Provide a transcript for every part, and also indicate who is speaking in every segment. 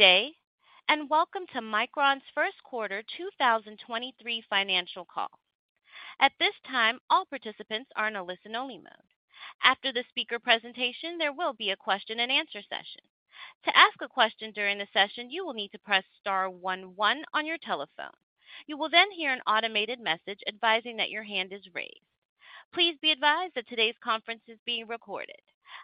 Speaker 1: Good day, and welcome to Micron's Q1 2023 financial call. At this time, all participants are in a listen-only mode. After the speaker presentation, there will be a question-and-answer session. To ask a question during the session, you will need to press star one one on your telephone. You will then hear an automated message advising that your hand is raised. Please be advised that today's conference is being recorded.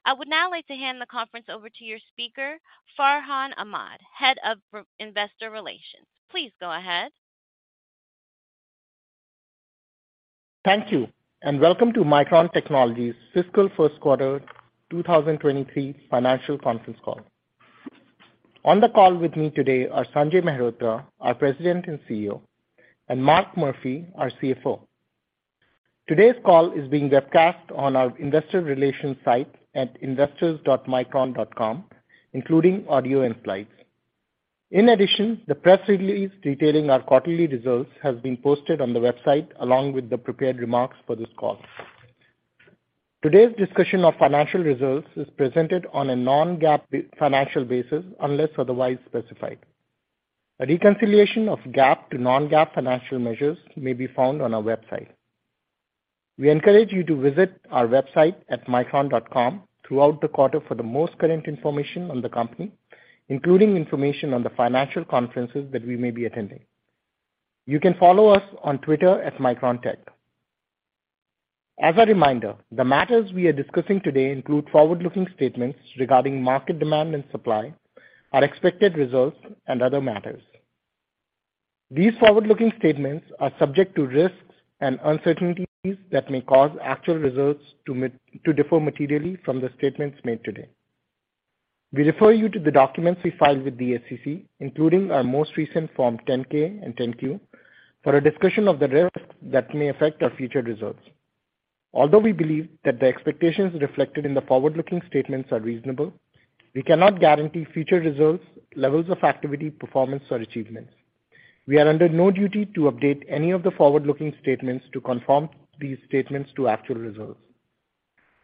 Speaker 1: I would now like to hand the conference over to your speaker, Farhan Ahmad, Head of Investor Relations. Please go ahead.
Speaker 2: Thank you, and welcome to Micron Technology's fiscal Q1 2023 financial conference call. On the call with me today are Sanjay Mehrotra, our President and CEO, and Mark Murphy, our CFO. Today's call is being webcast on our investor relations site at investors.micron.com, including audio and slides. In addition, the press release detailing our quarterly results has been posted on the website, along with the prepared remarks for this call. Today's discussion of financial results is presented on a non-GAAP financial basis, unless otherwise specified. A reconciliation of GAAP to non-GAAP financial measures may be found on our website. We encourage you to visit our website at micron.com throughout the quarter for the most current information on the company, including information on the financial conferences that we may be attending. You can follow us on Twitter at MicronTech. As a reminder, the matters we are discussing today include forward-looking statements regarding market demand and supply, our expected results, and other matters. These forward-looking statements are subject to risks and uncertainties that may cause actual results to differ materially from the statements made today. We refer you to the documents we filed with the SEC, including our most recent Form 10-K and 10-Q, for a discussion of the risks that may affect our future results. Although we believe that the expectations reflected in the forward-looking statements are reasonable, we cannot guarantee future results, levels of activity, performance, or achievements. We are under no duty to update any of the forward-looking statements to confirm these statements to actual results.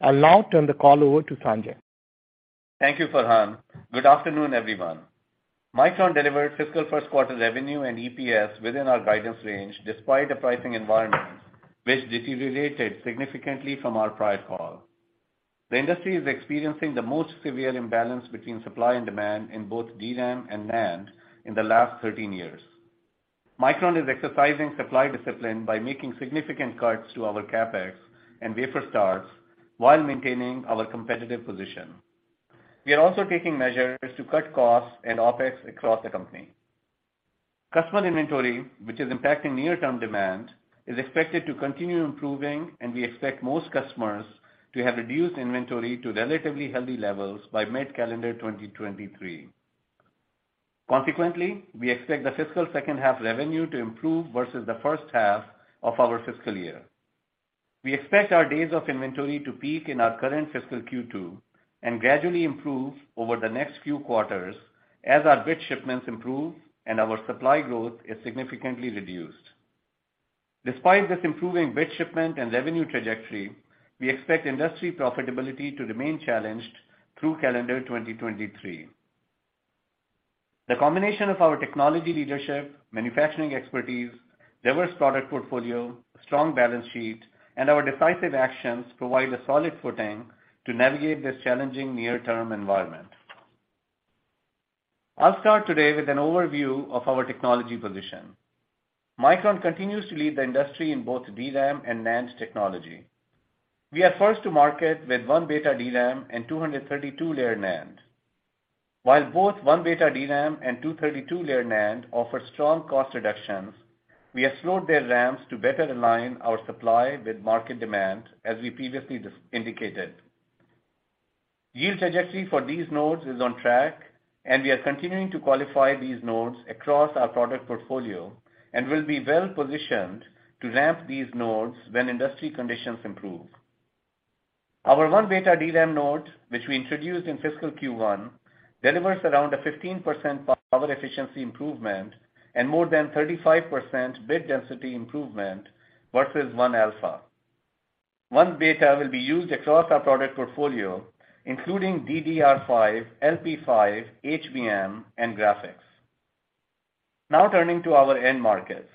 Speaker 2: I'll now turn the call over to Sanjay.
Speaker 3: Thank you, Farhan. Good afternoon, everyone. Micron delivered fiscal Q1 revenue and EPS within our guidance range, despite the pricing environment which deteriorated significantly from our prior call. The industry is experiencing the most severe imbalance between supply and demand in both DRAM and NAND in the last 13 years. Micron is exercising supply discipline by making significant cuts to our CapEx and wafer starts while maintaining our competitive position. We are also taking measures to cut costs and OpEx across the company. Customer inventory, which is impacting near-term demand, is expected to continue improving, and we expect most customers to have reduced inventory to relatively healthy levels by mid-calendar 2023. Consequently, we expect the fiscal second half revenue to improve versus the first half of our fiscal year. We expect our days of inventory to peak in our current fiscal Q2 and gradually improve over the next few quarters as our bit shipments improve and our supply growth is significantly reduced. Despite this improving bit shipment and revenue trajectory, we expect industry profitability to remain challenged through calendar 2023. The combination of our technology leadership, manufacturing expertise, diverse product portfolio, strong balance sheet, and our decisive actions provide a solid footing to navigate this challenging near-term environment. I'll start today with an overview of our technology position. Micron continues to lead the industry in both DRAM and NAND technology. We are first to market with 1-beta DRAM and 232-layer NAND. While both 1-beta DRAM and 232-layer NAND offer strong cost reductions, we have slowed their ramps to better align our supply with market demand, as we previously indicated. Yield trajectory for these nodes is on track, we are continuing to qualify these nodes across our product portfolio and will be well positioned to ramp these nodes when industry conditions improve. Our 1-beta DRAM node, which we introduced in fiscal Q1, delivers around a 15% power efficiency improvement and more than 35% bit density improvement versus 1-alpha. 1-beta will be used across our product portfolio, including DDR5, LP5, HBM, and graphics. Now turning to our end markets.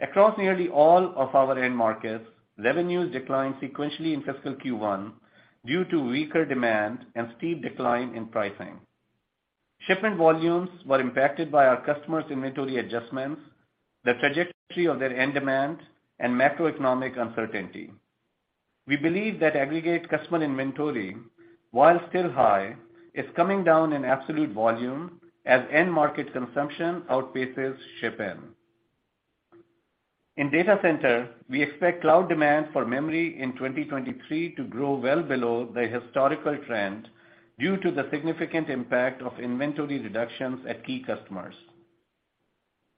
Speaker 3: Across nearly all of our end markets, revenues declined sequentially in fiscal Q1 due to weaker demand and steep decline in pricing. Shipment volumes were impacted by our customers' inventory adjustments, the trajectory of their end demand, and macroeconomic uncertainty. We believe that aggregate customer inventory, while still high, is coming down in absolute volume as end market consumption outpaces ship in. In data center, we expect cloud demand for memory in 2023 to grow well below the historical trend due to the significant impact of inventory reductions at key customers.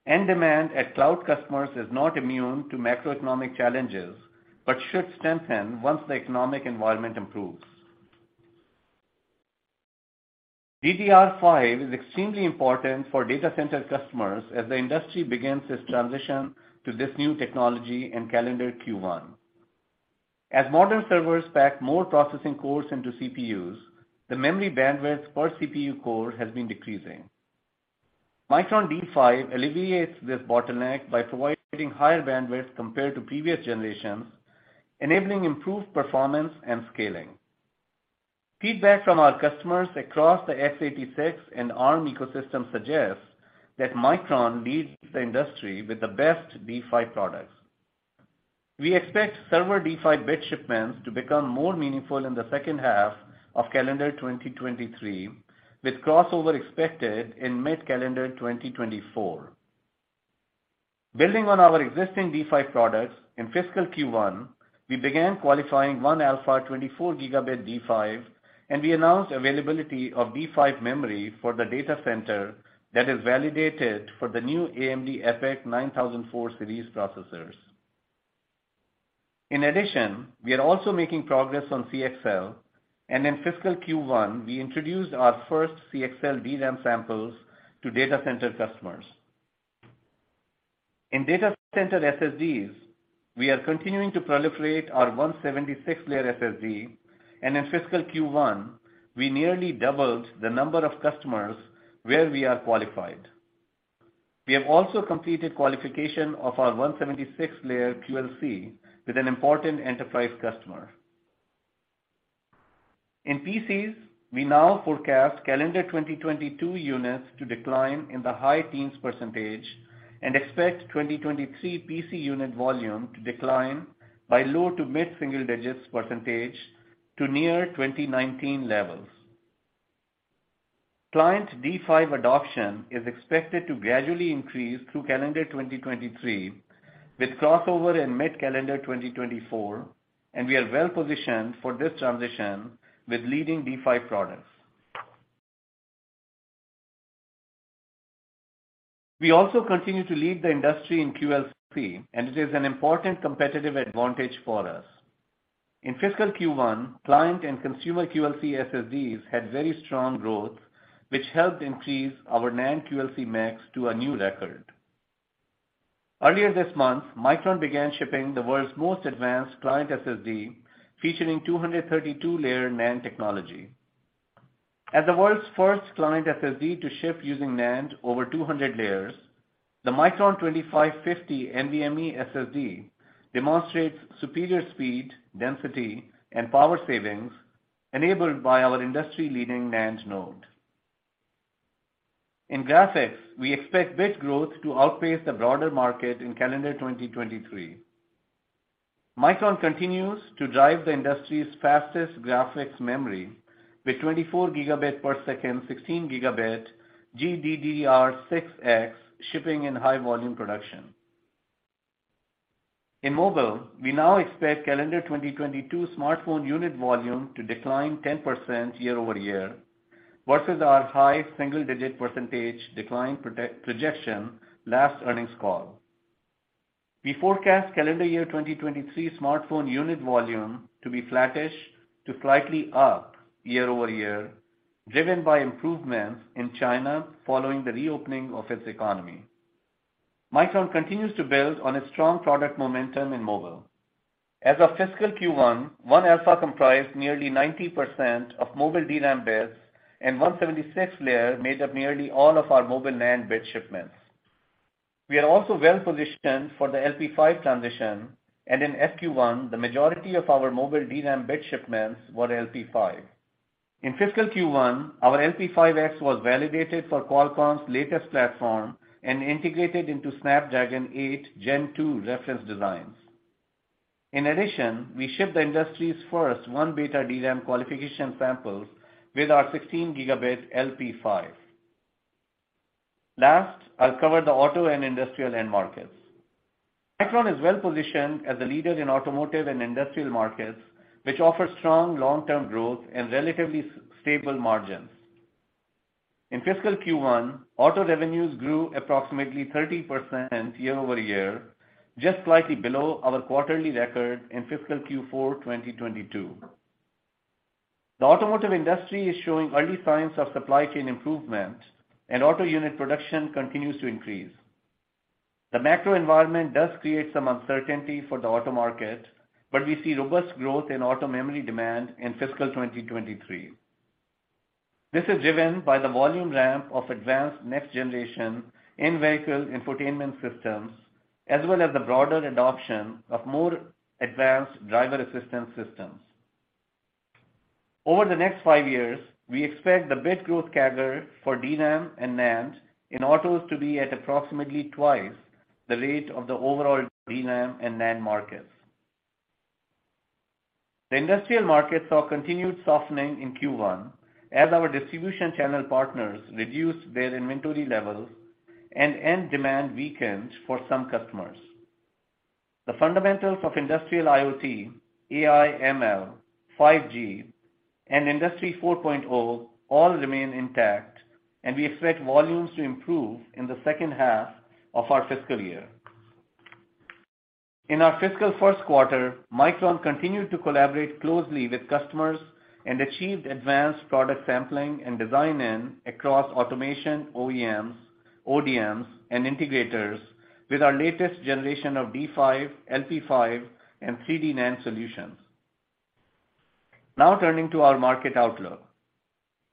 Speaker 3: End demand at cloud customers is not immune to macroeconomic challenges but should strengthen once the economic environment improves. DDR5 is extremely important for data center customers as the industry begins its transition to this new technology in calendar Q1. As modern servers pack more processing cores into CPUs, the memory bandwidth per CPU core has been decreasing. Micron D5 alleviates this bottleneck by providing higher bandwidth compared to previous generations, enabling improved performance and scaling. Feedback from our customers across the x86 and Arm ecosystem suggests that Micron leads the industry with the best D5 products. We expect server D5 bit shipments to become more meaningful in the second half of calendar 2023, with crossover expected in mid-calendar 2024. Building on our existing D5 products, in fiscal Q1, we began qualifying 1-alpha 24 Gb D5, and we announced availability of D5 memory for the data center that is validated for the new AMD EPYC 9004 Series processors. We are also making progress on CXL, and in fiscal Q1, we introduced our first CXL DRAM samples to data center customers. In data center SSDs, we are continuing to proliferate our 176-layer SSD, and in fiscal Q1, we nearly doubled the number of customers where we are qualified. We have also completed qualification of our 176-layer QLC with an important enterprise customer. In PCs, we now forecast calendar 2022 units to decline in the high teens % and expect 2023 PC unit volume to decline by low to mid-single digits % to near 2019 levels. Client D5 adoption is expected to gradually increase through calendar 2023, with crossover in mid-calendar 2024, and we are well positioned for this transition with leading D5 products. We also continue to lead the industry in QLC, and it is an important competitive advantage for us. In fiscal Q1, client and consumer QLC SSDs had very strong growth, which helped increase our NAND QLC max to a new record. Earlier this month, Micron began shipping the world's most advanced client SSD, featuring 232-layer NAND technology. As the world's first client SSD to ship using NAND over 200 layers, the Micron 2550 NVMe SSD demonstrates superior speed, density, and power savings enabled by our industry-leading NAND node. In graphics, we expect bit growth to outpace the broader market in calendar 2023. Micron continues to drive the industry's fastest graphics memory with 24 Gb/s, 16 Gb GDDR6X shipping in high volume production. In mobile, we now expect calendar 2022 smartphone unit volume to decline 10% year-over-year versus our high single-digit percentage decline projection last earnings call. We forecast calendar year 2023 smartphone unit volume to be flattish to slightly up year-over-year, driven by improvements in China following the reopening of its economy. Micron continues to build on its strong product momentum in mobile. As of fiscal Q1, 1-alpha comprised nearly 90% of mobile DRAM bits, and 176-layer made up nearly all of our mobile NAND bit shipments. We are also well-positioned for the LP5 transition, and in FYQ1, the majority of our mobile DRAM bit shipments were LP5. In fiscal Q1, our LP5X was validated for Qualcomm's latest platform and integrated into Snapdragon 8 Gen 2 reference designs. In addition, we shipped the industry's first 1-beta DRAM qualification samples with our 16 gigabit LP5. Last, I'll cover the auto and industrial end markets. Micron is well positioned as a leader in automotive and industrial markets, which offer strong long-term growth and relatively stable margins. In fiscal Q1, auto revenues grew approximately 30% year-over-year, just slightly below our quarterly record in fiscal Q4 2022. The automotive industry is showing early signs of supply chain improvement, and auto unit production continues to increase. The macro environment does create some uncertainty for the auto market, but we see robust growth in auto memory demand in fiscal 2023. This is driven by the volume ramp of advanced next-generation in-vehicle infotainment systems, as well as the broader adoption of more advanced driver assistance systems. Over the next 5 years, we expect the bit growth CAGR for DRAM and NAND in autos to be at approximately 2x the rate of the overall DRAM and NAND markets. The industrial market saw continued softening in Q1 as our distribution channel partners reduced their inventory levels and end demand weakens for some customers. The fundamentals of industrial IoT, AI, ML, 5G, and Industry 4.0 all remain intact, and we expect volumes to improve in the second half of our fiscal year. In our fiscal Q1, Micron continued to collaborate closely with customers and achieved advanced product sampling and design in across automation OEMs, ODMs, and integrators with our latest generation of D5, LP5, and 3D NAND solutions. Now turning to our market outlook.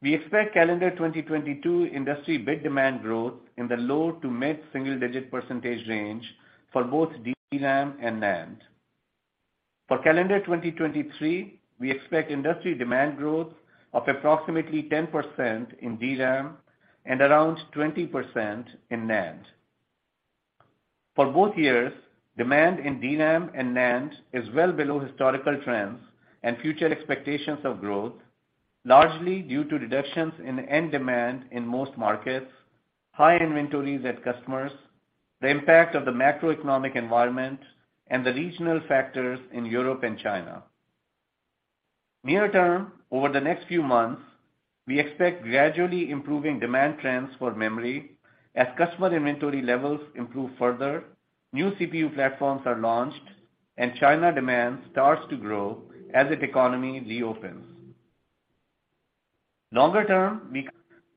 Speaker 3: We expect calendar 2022 industry bit demand growth in the low to mid-single-digit % range for both DRAM and NAND. For calendar 2023, we expect industry demand growth of approximately 10% in DRAM and around 20% in NAND. For both years, demand in DRAM and NAND is well below historical trends and future expectations of growth, largely due to reductions in end demand in most markets, high inventories at customers, the impact of the macroeconomic environment, and the regional factors in Europe and China. Near term, over the next few months, we expect gradually improving demand trends for memory as customer inventory levels improve further, new CPU platforms are launched, and China demand starts to grow as its economy reopens. Longer term, we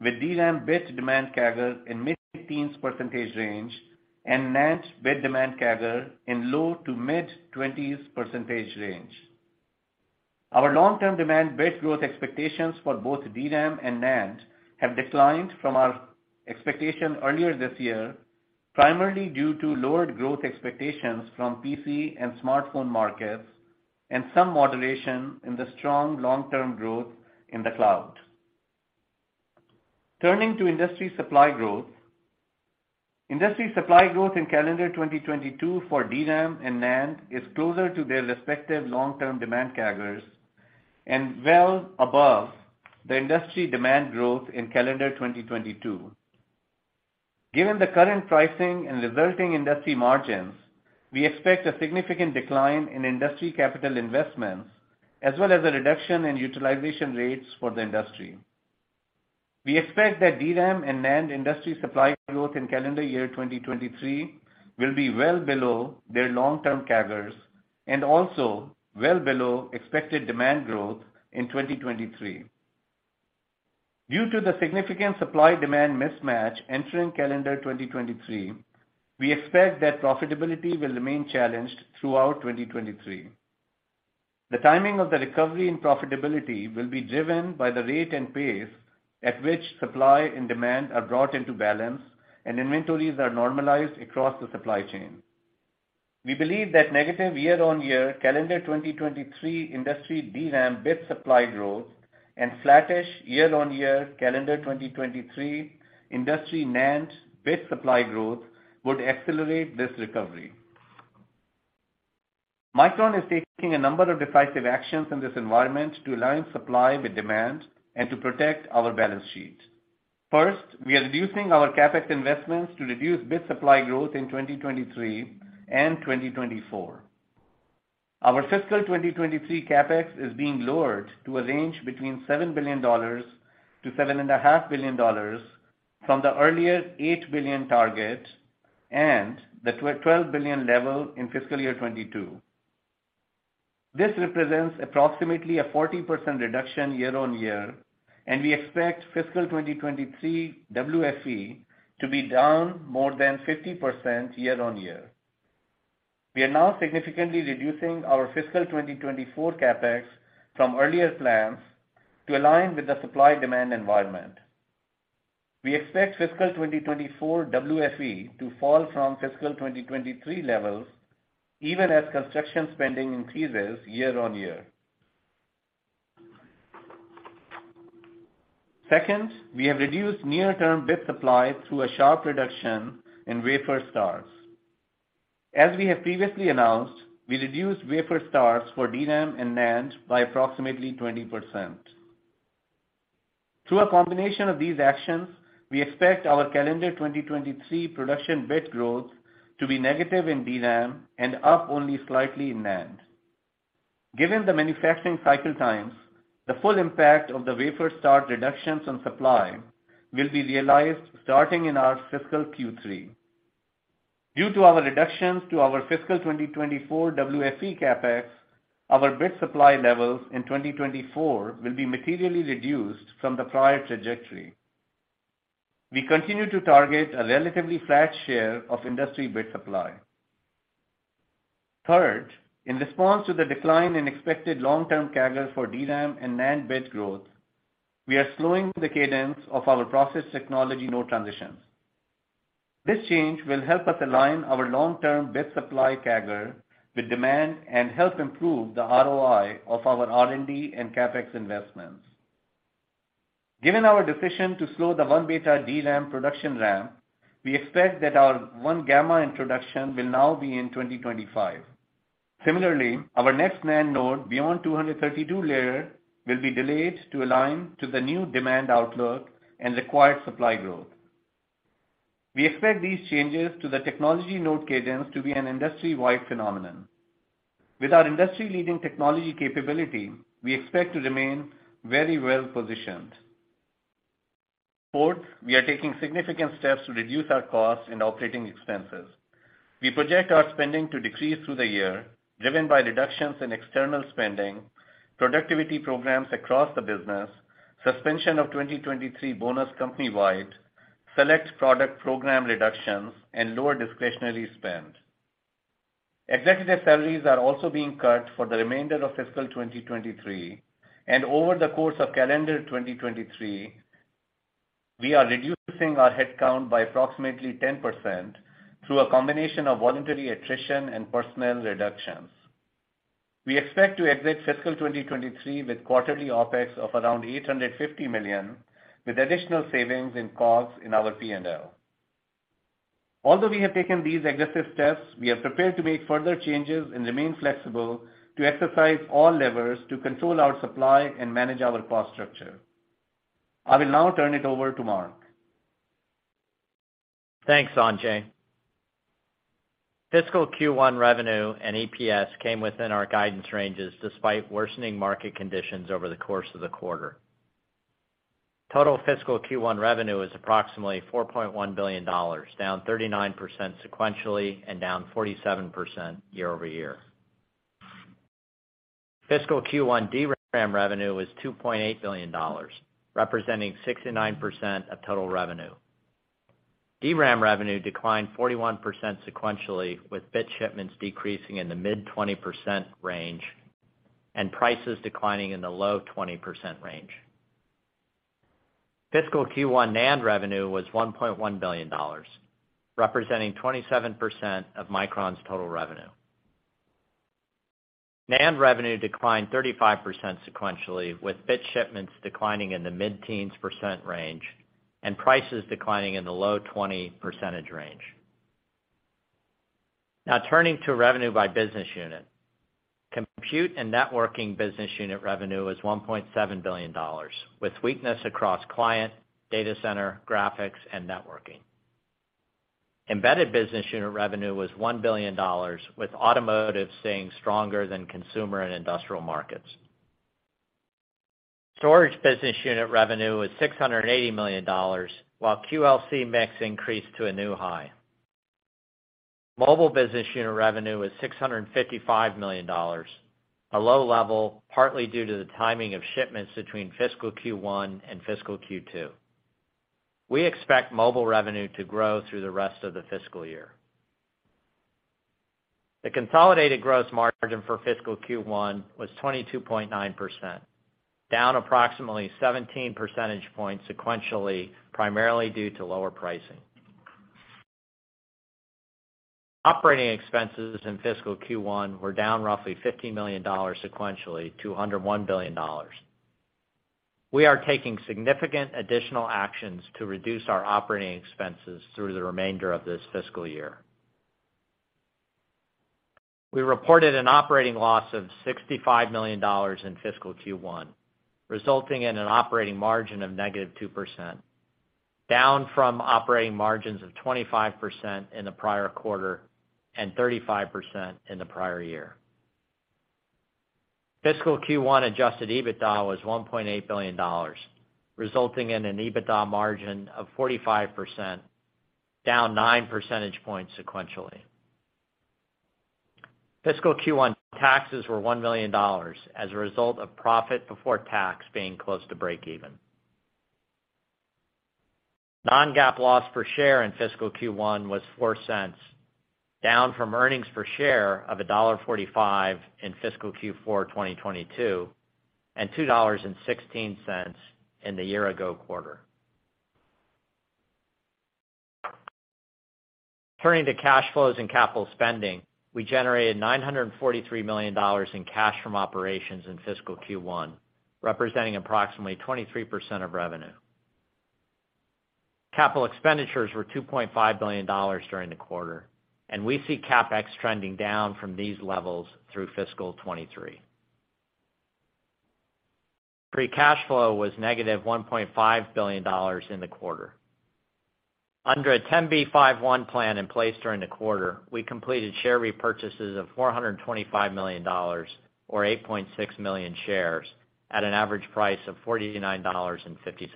Speaker 3: with DRAM bit demand CAGR in mid-teens % range and NAND bit demand CAGR in low to mid-20s % range. Our long-term demand bit growth expectations for both DRAM and NAND have declined from our expectation earlier this year, primarily due to lowered growth expectations from PC and smartphone markets and some moderation in the strong long-term growth in the cloud. Turning to industry supply growth. Industry supply growth in calendar 2022 for DRAM and NAND is closer to their respective long-term demand CAGRs and well above the industry demand growth in calendar 2022. Given the current pricing and resulting industry margins, we expect a significant decline in industry capital investments, as well as a reduction in utilization rates for the industry. We expect that DRAM and NAND industry supply growth in calendar year 2023 will be well below their long-term CAGRs and also well below expected demand growth in 2023. Due to the significant supply-demand mismatch entering calendar 2023, we expect that profitability will remain challenged throughout 2023. The timing of the recovery and profitability will be driven by the rate and pace at which supply and demand are brought into balance and inventories are normalized across the supply chain. We believe that negative year-on-year calendar 2023 industry DRAM bit supply growth and flattish year-on-year calendar 2023 industry NAND bit supply growth would accelerate this recovery. Micron is taking a number of decisive actions in this environment to align supply with demand and to protect our balance sheet. First, we are reducing our CapEx investments to reduce bit supply growth in 2023 and 2024. Our fiscal 2023 CapEx is being lowered to a range between $7 billion-$7.5 billion from the earlier $8 billion target and the $12 billion level in fiscal year 2022. This represents approximately a 40% reduction year-on-year, and we expect fiscal 2023 WFE to be down more than 50% year-on-year. We are now significantly reducing our fiscal 2024 CapEx from earlier plans to align with the supply-demand environment. We expect fiscal 2024 WFE to fall from fiscal 2023 levels even as construction spending increases year-on-year. Second, we have reduced near-term bit supply through a sharp reduction in wafer starts. As we have previously announced, we reduced wafer starts for DRAM and NAND by approximately 20%. Through a combination of these actions, we expect our calendar 2023 production bit growth to be negative in DRAM and up only slightly in NAND. Given the manufacturing cycle times, the full impact of the wafer start reductions on supply will be realized starting in our fiscal Q3. Due to our reductions to our fiscal 2024 WFE CapEx, our bit supply levels in 2024 will be materially reduced from the prior trajectory. We continue to target a relatively flat share of industry bit supply. Third, in response to the decline in expected long-term CAGR for DRAM and NAND bit growth, we are slowing the cadence of our process technology node transitions. This change will help us align our long-term bit supply CAGR with demand and help improve the ROI of our R&D and CapEx investments. Given our decision to slow the 1-beta DRAM production ramp, we expect that our 1-gamma introduction will now be in 2025. Similarly, our next NAND node beyond 232-layer will be delayed to align to the new demand outlook and required supply growth. We expect these changes to the technology node cadence to be an industry-wide phenomenon. With our industry-leading technology capability, we expect to remain very well positioned. Fourth, we are taking significant steps to reduce our costs and operating expenses. We project our spending to decrease through the year, driven by reductions in external spending, productivity programs across the business, suspension of 2023 bonus company-wide, select product program reductions, and lower discretionary spend. Executive salaries are also being cut for the remainder of fiscal 2023. Over the course of calendar 2023, we are reducing our headcount by approximately 10% through a combination of voluntary attrition and personnel reductions. We expect to exit fiscal 2023 with quarterly OpEx of around $850 million, with additional savings in costs in our P&L. Although we have taken these aggressive steps, we are prepared to make further changes and remain flexible to exercise all levers to control our supply and manage our cost structure. I will now turn it over to Mark.
Speaker 4: Thanks, Sanjay. Fiscal Q1 revenue and EPS came within our guidance ranges despite worsening market conditions over the course of the quarter. Total fiscal Q1 revenue was approximately $4.1 billion, down 39% sequentially and down 47% year-over-year. Fiscal Q1 DRAM revenue was $2.8 billion, representing 69% of total revenue. DRAM revenue declined 41% sequentially, with bit shipments decreasing in the mid-20% range and prices declining in the low 20% range. Fiscal Q1 NAND revenue was $1.1 billion, representing 27% of Micron's total revenue. NAND revenue declined 35% sequentially, with bit shipments declining in the mid-teens % range and prices declining in the low 20% range. Turning to revenue by business unit. Compute and Networking Business Unit revenue was $1.7 billion, with weakness across client, data center, graphics, and networking. Embedded Business Unit revenue was $1 billion, with automotive staying stronger than consumer and industrial markets. Storage Business Unit revenue was $680 million, while QLC mix increased to a new high. Mobile Business Unit revenue was $655 million, a low level partly due to the timing of shipments between fiscal Q1 and fiscal Q2. We expect mobile revenue to grow through the rest of the fiscal year. The consolidated gross margin for fiscal Q1 was 22.9%, down approximately 17 percentage points sequentially, primarily due to lower pricing. Operating expenses in fiscal Q1 were down roughly $50 million sequentially to under $1 billion. We are taking significant additional actions to reduce our operating expenses through the remainder of this fiscal year. We reported an operating loss of $65 million in fiscal Q1, resulting in an operating margin of -2%, down from operating margins of 25% in the prior quarter and 35% in the prior year. Fiscal Q1 adjusted EBITDA was $1.8 billion, resulting in an EBITDA margin of 45%, down 9 percentage points sequentially. Fiscal Q1 taxes were $1 million as a result of profit before tax being close to breakeven. non-GAAP loss per share in fiscal Q1 was $0.04, down from earnings per share of $1.45 in fiscal Q4 2022 and $2.16 in the year ago quarter. Turning to cash flows and capital spending, we generated $943 million in cash from operations in fiscal Q1, representing approximately 23% of revenue. Capital expenditures were $2.5 billion during the quarter, and we see CapEx trending down from these levels through fiscal 2023. Free cash flow was negative $1.5 billion in the quarter. Under a Rule 10b5-1 plan in place during the quarter, we completed share repurchases of $425 million or 8.6 million shares at an average price of $49.57.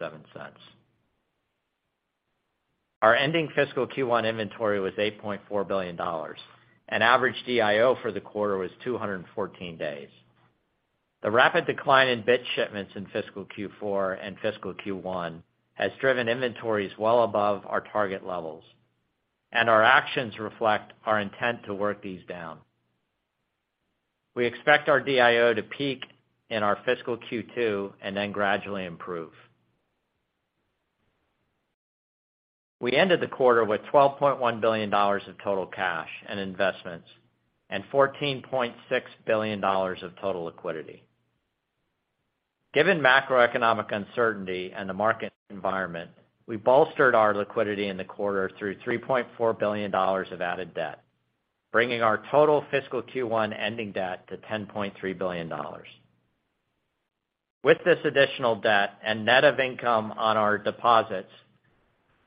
Speaker 4: Our ending fiscal Q1 inventory was $8.4 billion, and average DIO for the quarter was 214 days. The rapid decline in bit shipments in fiscal Q4 and fiscal Q1 has driven inventories well above our target levels, and our actions reflect our intent to work these down. We expect our DIO to peak in our fiscal Q2 and then gradually improve. We ended the quarter with $12.1 billion of total cash and investments and $14.6 billion of total liquidity. Given macroeconomic uncertainty and the market environment, we bolstered our liquidity in the quarter through $3.4 billion of added debt, bringing our total fiscal Q1 ending debt to $10.3 billion. With this additional debt and net of income on our deposits,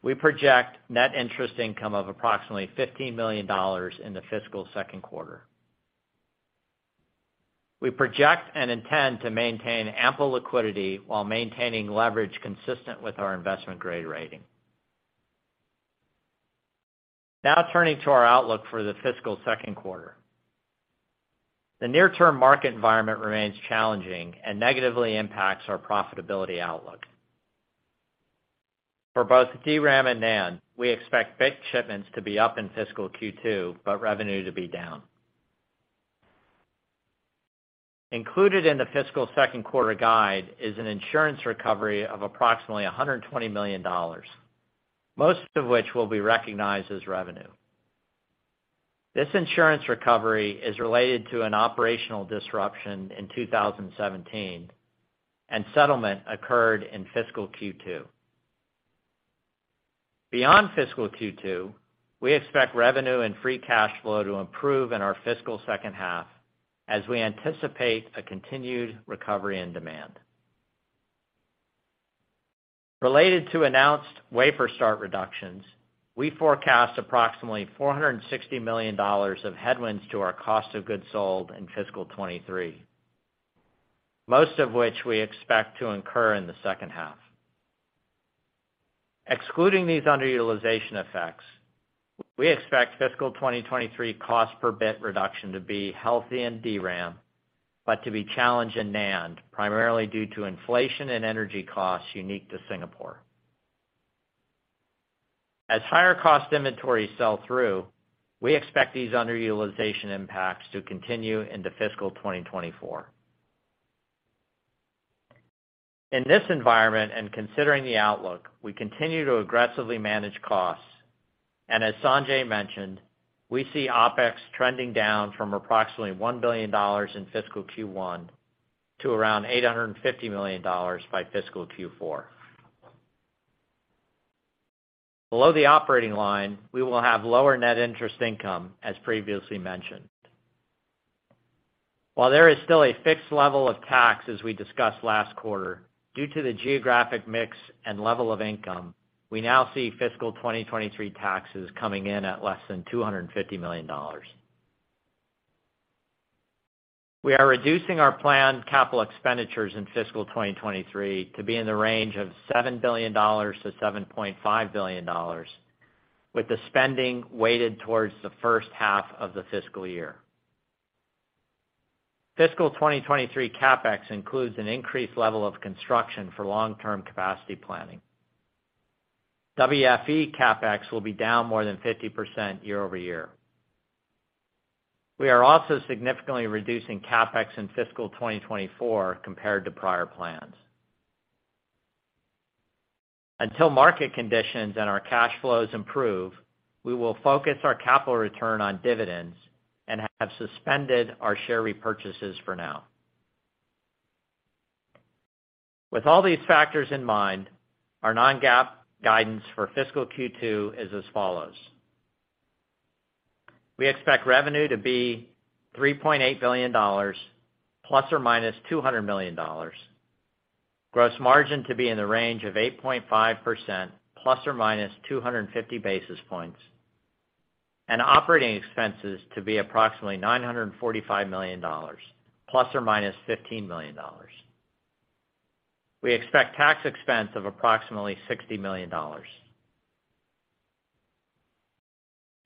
Speaker 4: we project net interest income of approximately $15 million in the fiscal Q2. we project and intend to maintain ample liquidity while maintaining leverage consistent with our investment grade rating. Turning to our outlook for the fiscal Q2. The near-term market environment remains challenging and negatively impacts our profitability outlook. For both DRAM and NAND, we expect bit shipments to be up in fiscal Q2, but revenue to be down. Included in the fiscal Q2 guide is an insurance recovery of approximately $120 million, most of which will be recognized as revenue. This insurance recovery is related to an operational disruption in 2017, and settlement occurred in fiscal Q2. Beyond fiscal Q2, we expect revenue and free cash flow to improve in our fiscal second half as we anticipate a continued recovery in demand. Related to announced wafer start reductions, we forecast approximately $460 million of headwinds to our cost of goods sold in fiscal 2023, most of which we expect to incur in the second half. Excluding these underutilization effects, we expect fiscal 2023 cost per bit reduction to be healthy in DRAM, but to be challenged in NAND, primarily due to inflation and energy costs unique to Singapore. As higher cost inventories sell through, we expect these underutilization impacts to continue into fiscal 2024. In this environment and considering the outlook, we continue to aggressively manage costs. As Sanjay mentioned, we see OpEx trending down from approximately $1 billion in fiscal Q1 to around $850 million by fiscal Q4. Below the operating line, we will have lower net interest income as previously mentioned. While there is still a fixed level of tax as we discussed last quarter, due to the geographic mix and level of income, we now see fiscal 2023 taxes coming in at less than $250 million. We are reducing our planned capital expenditures in fiscal 2023 to be in the range of $7 billion-$7.5 billion, with the spending weighted towards the first half of the fiscal year. Fiscal 2023 CapEx includes an increased level of construction for long-term capacity planning. WFE CapEx will be down more than 50% year-over-year. We are also significantly reducing CapEx in fiscal 2024 compared to prior plans. Until market conditions and our cash flows improve, we will focus our capital return on dividends and have suspended our share repurchases for now. With all these factors in mind, our non-GAAP guidance for fiscal Q2 is as follows. We expect revenue to be $3.8 billion ± $200 million, gross margin to be in the range of 8.5% ± 250 basis points, and operating expenses to be approximately $945 million ± $15 million. We expect tax expense of approximately $60 million.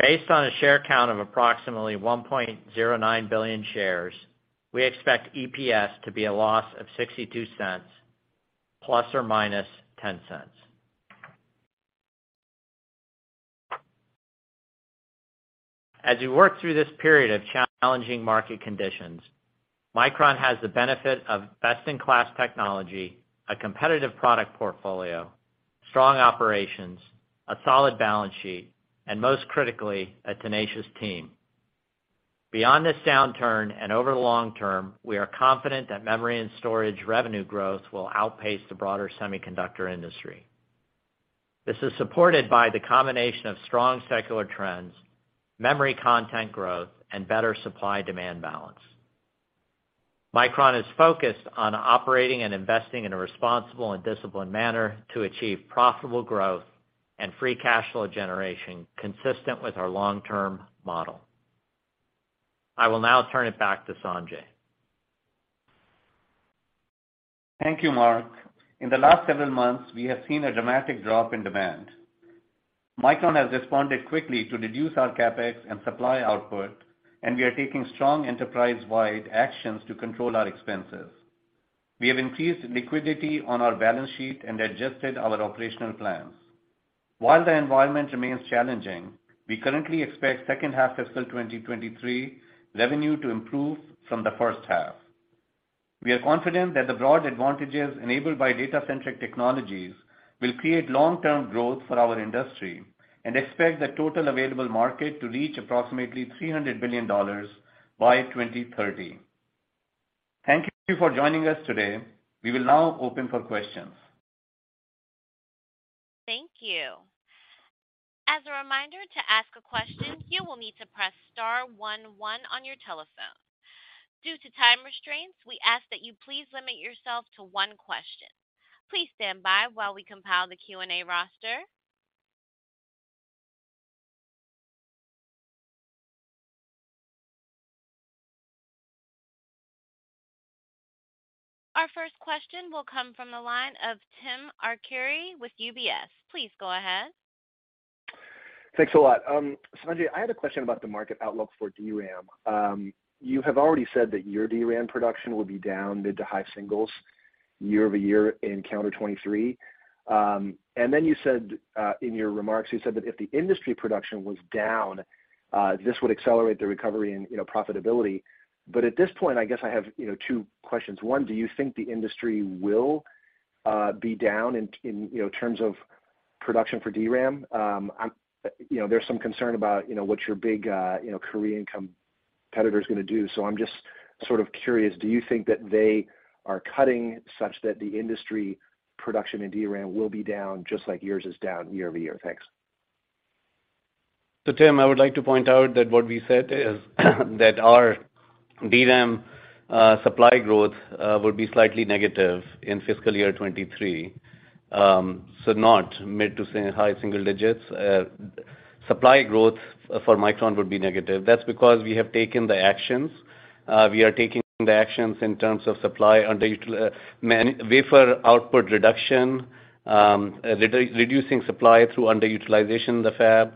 Speaker 4: Based on a share count of approximately 1.09 billion shares, we expect EPS to be a loss of $0.62 ± $0.10. As we work through this period of challenging market conditions, Micron has the benefit of best-in-class technology, a competitive product portfolio, strong operations, a solid balance sheet, and most critically, a tenacious team. Beyond this downturn and over the long term, we are confident that memory and storage revenue growth will outpace the broader semiconductor industry. This is supported by the combination of strong secular trends, memory content growth, and better supply-demand balance. Micron is focused on operating and investing in a responsible and disciplined manner to achieve profitable growth and free cash flow generation consistent with our long-term model. I will now turn it back to Sanjay.
Speaker 3: Thank you, Mark. In the last several months, we have seen a dramatic drop in demand. Micron has responded quickly to reduce our CapEx and supply output. We are taking strong enterprise-wide actions to control our expenses. We have increased liquidity on our balance sheet and adjusted our operational plans. While the environment remains challenging, we currently expect second half fiscal 2023 revenue to improve from the first half. We are confident that the broad advantages enabled by data-centric technologies will create long-term growth for our industry. We expect the total available market to reach approximately $300 billion by 2030. Thank you for joining us today. We will now open for questions.
Speaker 1: Thank you. As a reminder, to ask a question, you will need to press star one one on your telephone. Due to time restraints, we ask that you please limit yourself to one question. Please stand by while we compile the Q&A roster. Our first question will come from the line of Timothy Arcuri with UBS. Please go ahead.
Speaker 5: Thanks a lot. Sanjay, I had a question about the market outlook for DRAM. You have already said that your DRAM production will be down mid to high singles year-over-year in calendar 2023. Then you said in your remarks, you said that if the industry production was down, this would accelerate the recovery in, you know profitability. At this point, I guess I have, you know two questions. One, do you think the industry will be down in, you know terms of production for DRAM? I'm, you know, there's some concern about, you know, what your big, you know, Korean competitor is gonna do. I'm just sort of curious, do you think that they are cutting such that the industry production in DRAM will be down just like yours is down year-over-year? Thanks.
Speaker 3: Tim, I would like to point out that what we said is that our DRAM supply growth will be slightly negative in fiscal year 2023. Not mid to high single digits. Supply growth for Micron would be negative. That's because we have taken the actions. We are taking the actions in terms of supply wafer output reduction, reducing supply through underutilization in the fab.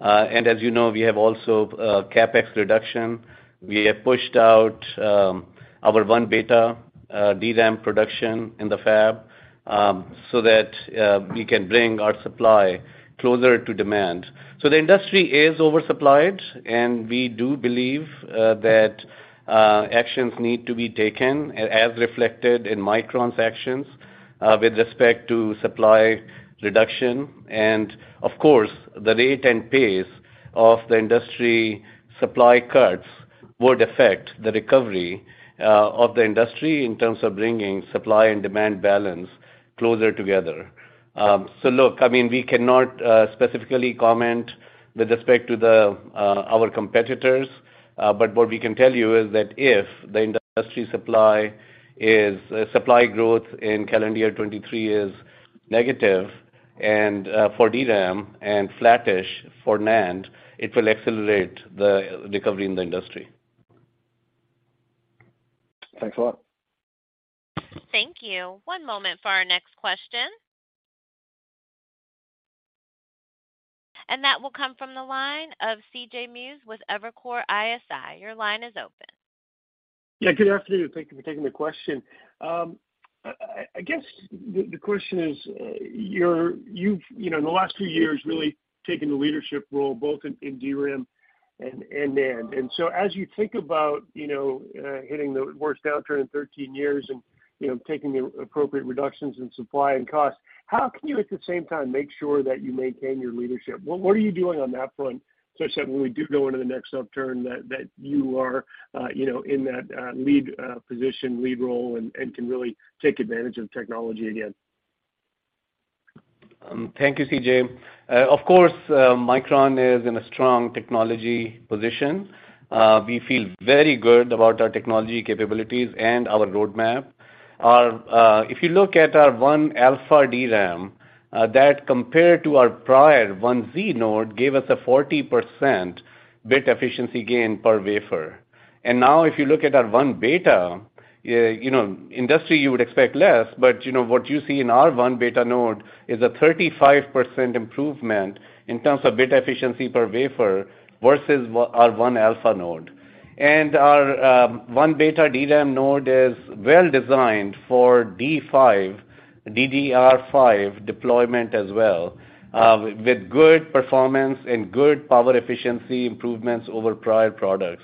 Speaker 3: As you know, we have also CapEx reduction. We have pushed out our 1-beta DRAM production in the fab so that we can bring our supply closer to demand. The industry is oversupplied, and we do believe that actions need to be taken as reflected in Micron's actions with respect to supply reduction. Of course, the rate and pace of the industry supply cuts would affect the recovery of the industry in terms of bringing supply and demand balance closer together. Look, I mean, we cannot specifically comment with respect to our competitors, but what we can tell you is that if the industry supply growth in calendar year 2023 is negative and for DRAM and flattish for NAND, it will accelerate the recovery in the industry.
Speaker 5: Thanks a lot.
Speaker 1: Thank you. One moment for our next question. That will come from the line of CJ Muse with Evercore ISI. Your line is open.
Speaker 6: Yeah, good afternoon. Thank you for taking the question. I guess the question is, you've, you know, in the last two years, really taken the leadership role both in DRAM and NAND. As you think about, you know, hitting the worst downturn in 13 years and, you know, taking the appropriate reductions in supply and cost, how can you, at the same time, make sure that you maintain your leadership? What are you doing on that front such that when we do go into the next upturn that you are, you know, in that lead position, lead role and can really take advantage of technology again?
Speaker 3: Thank you, CJ. Of course, Micron is in a strong technology position. We feel very good about our technology capabilities and our roadmap. If you look at our 1-alpha DRAM, that compared to our prior 1z node, gave us a 40% bit efficiency gain per wafer. Now if you look at our 1-beta, you know, industry you would expect less, but, you know, what you see in our 1-beta node is a 35% improvement in terms of bit efficiency per wafer versus our 1-alpha node. Our 1-beta DRAM node is well designed for D5, DDR5 deployment as well, with good performance and good power efficiency improvements over prior products.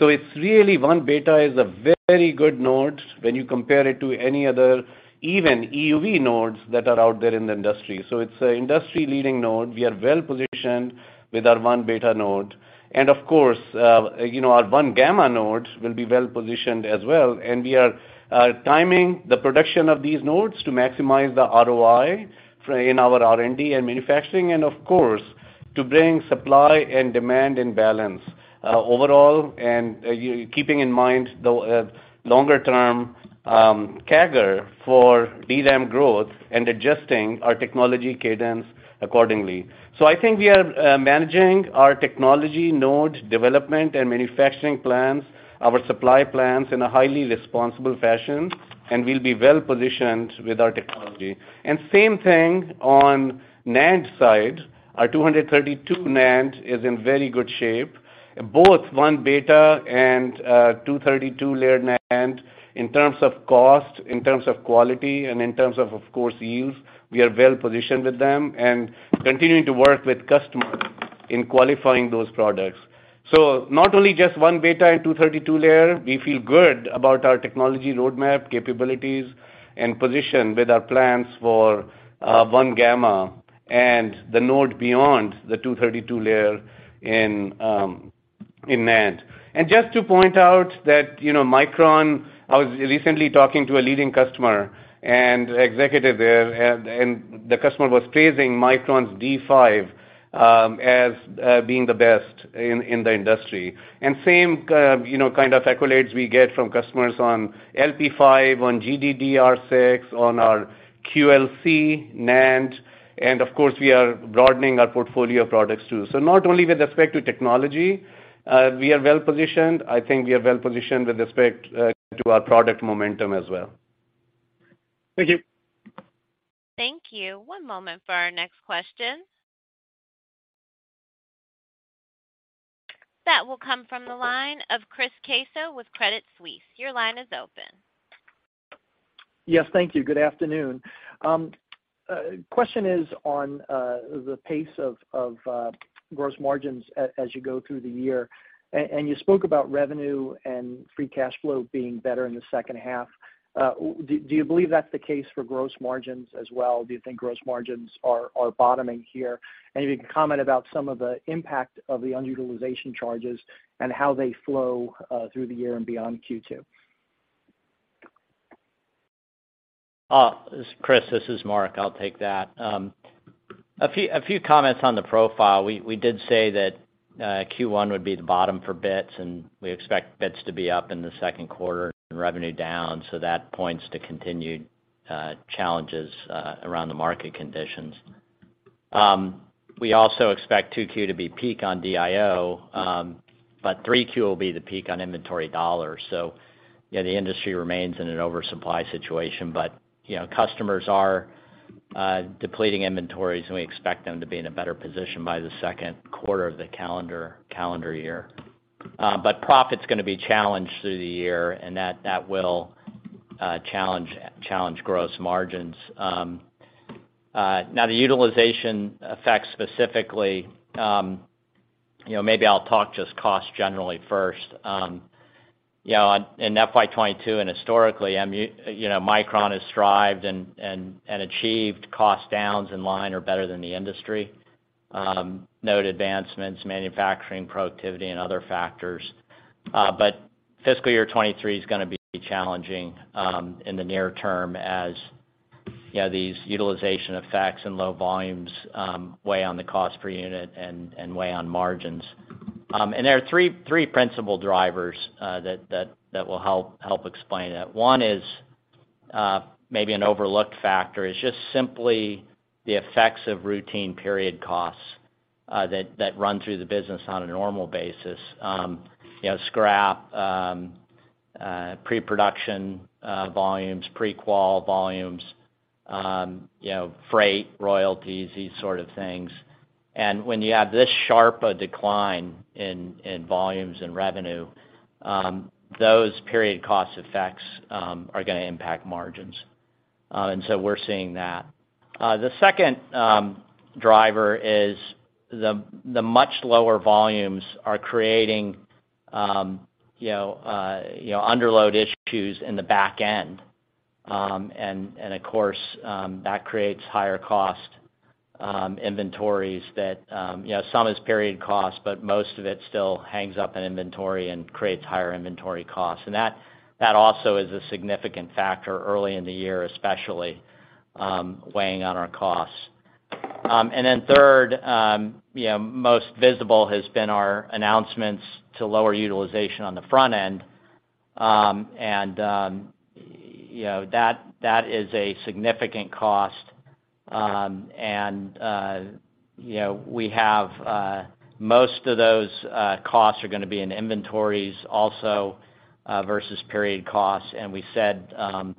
Speaker 3: It's really 1-beta is a very good node when you compare it to any other even EUV nodes that are out there in the industry. It's a industry-leading node. We are well positioned with our 1-beta node. Of course, you know, our 1-gamma node will be well positioned as well. We are timing the production of these nodes to maximize the ROI for in our R&D and manufacturing, and of course, to bring supply and demand in balance overall, and keeping in mind the longer term CAGR for DRAM growth and adjusting our technology cadence accordingly. I think we are managing our technology node development and manufacturing plans, our supply plans in a highly responsible fashion, and we'll be well positioned with our technology. Same thing on NAND side, our 232 NAND is in very good shape, both 1-beta and 232-layer NAND in terms of cost, in terms of quality and in terms of course, yield, we are well positioned with them and continuing to work with customers in qualifying those products. Not only just 1-beta and 232-layer, we feel good about our technology roadmap, capabilities and position with our plans for 1-gamma and the node beyond the 232-layer in NAND. Just to point out that, you know, Micron, I was recently talking to a leading customer and executive there, and the customer was praising Micron's D5, as being the best in the industry. Same, you know, kind of accolades we get from customers on LP5, on GDDR6, on our QLC NAND, and of course, we are broadening our portfolio of products too. Not only with respect to technology, we are well-positioned. I think we are well-positioned with respect to our product momentum as well.
Speaker 6: Thank you.
Speaker 1: Thank you. One moment for our next question. That will come from the line of Christopher Caso with Credit Suisse. Your line is open.
Speaker 7: Yes. Thank you. Good afternoon. Question is on the pace of gross margins as you go through the year. You spoke about revenue and free cash flow being better in the second half. Do you believe that's the case for gross margins as well? Do you think gross margins are bottoming here? If you can comment about some of the impact of the unutilization charges and how they flow through the year and beyond Q2.
Speaker 4: Chris, this is Mark. I'll take that. A few comments on the profile. We did say that Q1 would be the bottom for bits. We expect bits to be up in the Q2 and revenue down, that points to continued challenges around the market conditions. We also expect Q2 to be peak on DIO. Q3 will be the peak on inventory dollars. You know, the industry remains in an oversupply situation. You know, customers are depleting inventories, and we expect them to be in a better position by the Q2 of the calendar year. Profit's gonna be challenged through the year. That will challenge gross margins. Now the utilization effects specifically, you know, maybe I'll talk just cost generally first. You know, in FY22 and historically, I mean, you know, Micron has strived and achieved cost downs in line or better than the industry, node advancements, manufacturing productivity and other factors. Fiscal year 2023 is gonna be challenging in the near term as, you know, these utilization effects and low volumes weigh on the cost per unit and weigh on margins. There are three principal drivers that will help explain that. One is, maybe an overlooked factor, is just simply the effects of routine period costs that run through the business on a normal basis. You know, scrap, pre-production volumes, pre-qual volumes, freight, royalties, these sort of things. When you have this sharp a decline in volumes and revenue, those period cost effects are gonna impact margins. So we're seeing that. The second driver is the much lower volumes are creating, you know, underload issues in the back end. Of course, that creates higher cost inventories that, you know, some is period cost, but most of it still hangs up in inventory and creates higher inventory costs. That also is a significant factor early in the year especially, weighing on our costs. Then third, you know, most visible has been our announcements to lower utilization on the front end. You know, that is a significant cost. You know, we have most of those costs are gonna be in inventories also versus period costs. We said that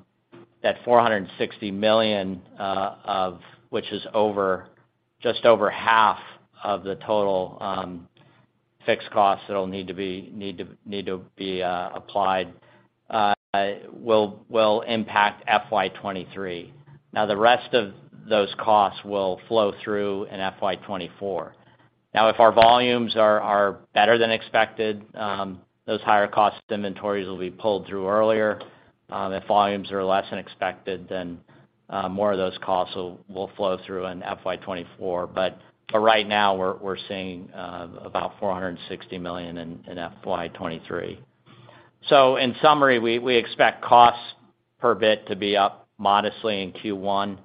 Speaker 4: $460 million of which is over, just over half of the total fixed costs that'll need to be applied, will impact FY23. The rest of those costs will flow through in FY24. If our volumes are better than expected, those higher cost inventories will be pulled through earlier. If volumes are less than expected, more of those costs will flow through in FY24. Right now, we're seeing about $460 million in FY23. In summary, we expect costs per bit to be up modestly in Q1.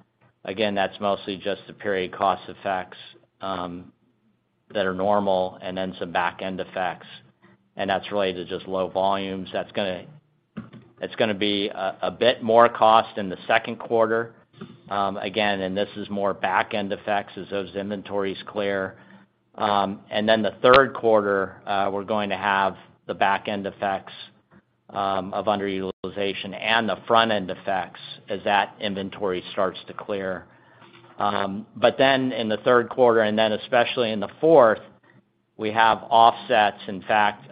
Speaker 4: That's mostly just the period cost effects that are normal and then some back-end effects, and that's related to just low volumes. That's going to, that's going to be a bit more cost in the Q2. This is more back-end effects as those inventories clear. The third quarter, we're going to have the back-end effects of underutilization and the front-end effects as that inventory starts to clear. In the third quarter and then especially in the fourth, we have offsets. In fact,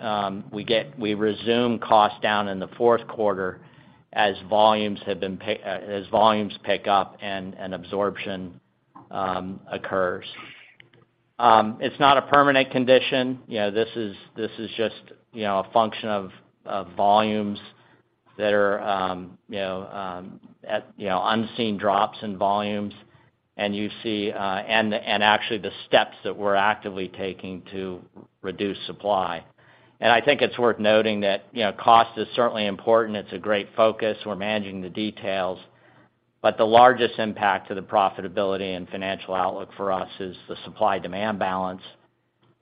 Speaker 4: we get, we resume cost down in the fourth quarter as volumes pick up and absorption occurs. It's not a permanent condition. You know, this is, this is just, you know, a function of volumes that are, you know, at, you know, unseen drops in volumes, and you see, and actually the steps that we're actively taking to reduce supply. I think it's worth noting that, you know, cost is certainly important. It's a great focus. We're managing the details. The largest impact to the profitability and financial outlook for us is the supply-demand balance.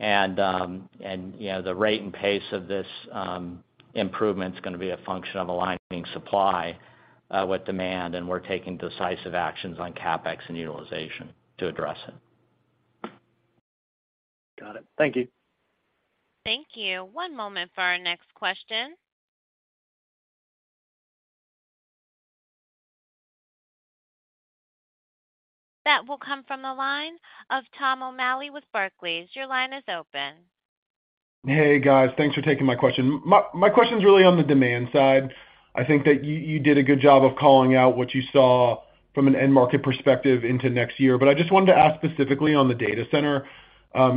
Speaker 4: You know, the rate and pace of this improvement is gonna be a function of aligning supply with demand, and we're taking decisive actions on CapEx and utilization to address it.
Speaker 7: Got it. Thank you.
Speaker 1: Thank you. One moment for our next question. That will come from the line of Thomas O'Malley with Barclays. Your line is open.
Speaker 8: Hey, guys. Thanks for taking my question. My question is really on the demand side. I think that you did a good job of calling out what you saw from an end market perspective into next year. I just wanted to ask specifically on the data center,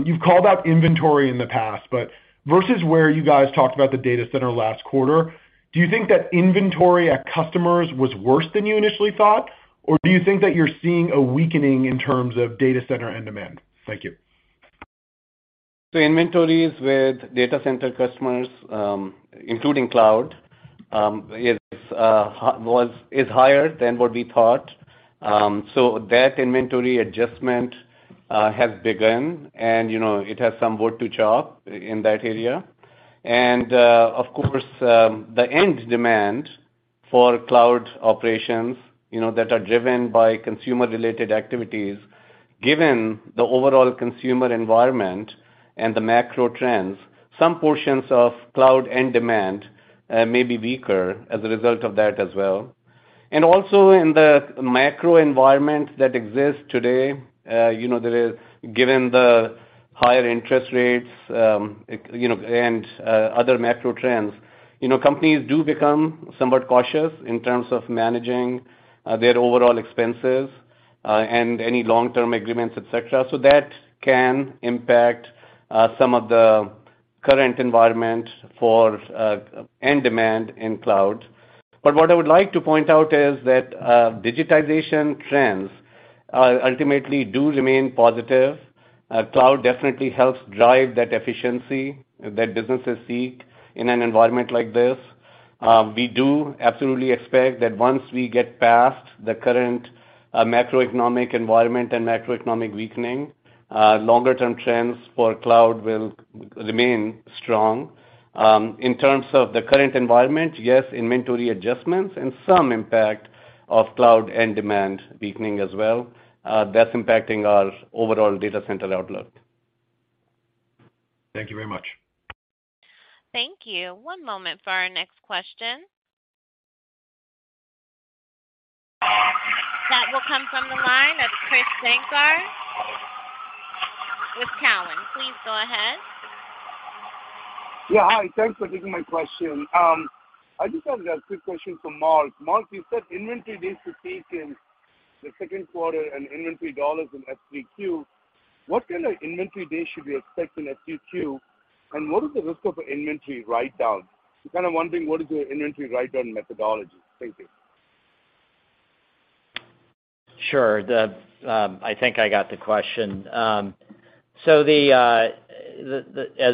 Speaker 8: you've called out inventory in the past, but versus where you guys talked about the data center last quarter, do you think that inventory at customers was worse than you initially thought? Do you think that you're seeing a weakening in terms of data center and demand? Thank you.
Speaker 3: The inventories with data center customers, including cloud, is higher than what we thought. That inventory adjustment has begun and, you know, it has some work to job in that area. Of course, the end demand for cloud operations, you know, that are driven by consumer-related activities, given the overall consumer environment and the macro trends, some portions of cloud end demand may be weaker as a result of that as well. Also in the macro environment that exists today, you know, given the higher interest rates, you know, and other macro trends, you know, companies do become somewhat cautious in terms of managing their overall expenses and any long-term agreements, et cetera. That can impact some of the current environment for end demand in cloud. What I would like to point out is that digitization trends ultimately do remain positive. Cloud definitely helps drive that efficiency that businesses seek in an environment like this. We do absolutely expect that once we get past the current macroeconomic environment and macroeconomic weakening, longer term trends for cloud will remain strong. In terms of the current environment, yes, inventory adjustments and some impact of cloud end demand weakening as well, that's impacting our overall data center outlook.
Speaker 8: Thank you very much.
Speaker 1: Thank you. One moment for our next question. That will come from the line of Krish Sankar with Cowen. Please go ahead.
Speaker 9: Yeah. Hi. Thanks for taking my question. I just have a quick question for Mark. Mark, you said inventory days to take in the Q2 and inventory dollars in SQ. What kind of inventory days should we expect in FQ? What is the risk of an inventory write-down? I'm kind of wondering what is your inventory write-down methodology thinking.
Speaker 4: Sure. I think I got the question. As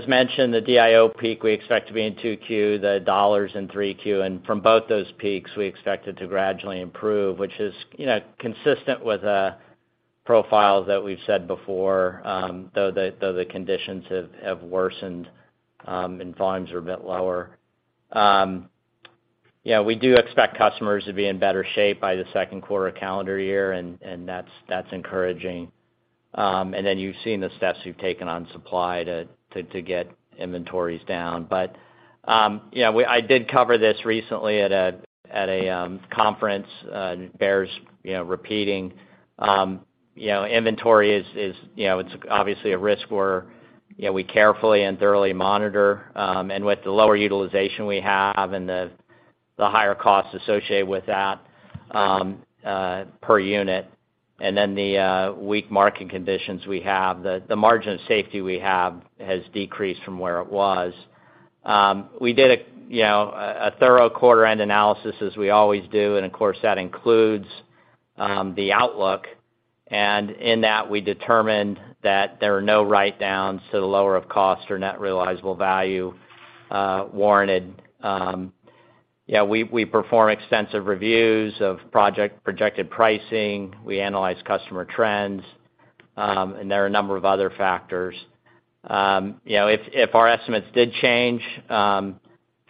Speaker 4: mentioned, the DIO peak we expect to be in Q2, the dollars in Q3, and from both those peaks, we expect it to gradually improve, which is, you know, consistent with the profiles that we've said before, though the conditions have worsened, and volumes are a bit lower. Yeah, we do expect customers to be in better shape by the Q2 calendar year, and that's encouraging. You've seen the steps we've taken on supply to get inventories down. Yeah, I did cover this recently at a conference, bears, you know, repeating. You know, inventory is, you know, it's obviously a risk where, you know, we carefully and thoroughly monitor, with the lower utilization we have and the higher costs associated with that per unit, and then the weak market conditions we have, the margin of safety we have has decreased from where it was. We did a thorough quarter end analysis as we always do, of course, that includes the outlook. In that, we determined that there are no write-downs to the lower of cost or net realizable value warranted. We perform extensive reviews of projected pricing. We analyze customer trends, there are a number of other factors. You know, if our estimates did change,